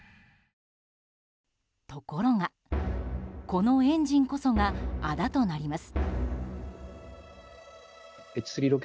ところが、このエンジンこそがあだとなります。